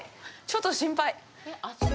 ちょっと心配。